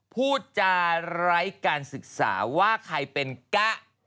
พูดจาไร้การศึกษาว่าใครเป็นกะ